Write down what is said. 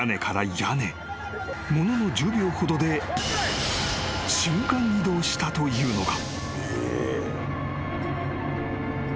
［ものの１０秒ほどで瞬間移動したというのか？］